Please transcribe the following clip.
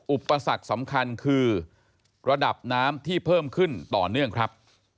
อุปสรรคสำคัญคือระดับน้ำที่เพิ่มขึ้นต่อเนื่องครับ